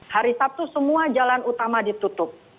hari sabtu semua jalan utama ditutup